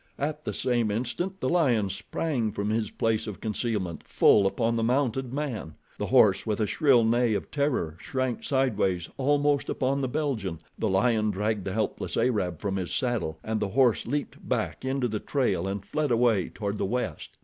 At the same instant the lion sprang from his place of concealment, full upon the mounted man. The horse, with a shrill neigh of terror, shrank sideways almost upon the Belgian, the lion dragged the helpless Arab from his saddle, and the horse leaped back into the trail and fled away toward the west.